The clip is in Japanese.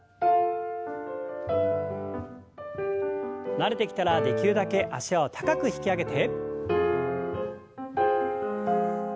慣れてきたらできるだけ脚を高く引き上げて。